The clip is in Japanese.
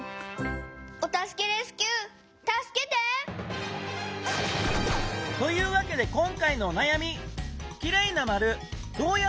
お助けレスキューたすけて！というわけで今回のおなやみ。